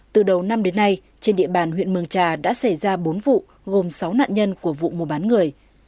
từ đầu năm đến nay trên địa bàn huyện mường trà đã xảy ra bốn vụ gồm sáu nạn nhân của vụ mùa bán người